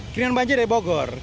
kiriman banjir dari bogor